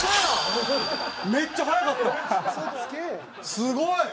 すごい！